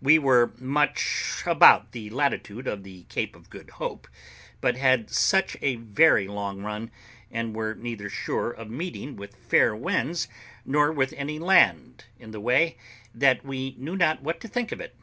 We were much about the latitude of the Cape of Good Hope, but had such a very long run, and were neither sure of meeting with fair winds nor with any land in the way, that we knew not what to think of it.